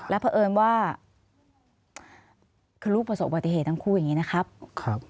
เพราะเอิญว่าคือลูกประสบปฏิเหตุทั้งคู่อย่างนี้นะครับ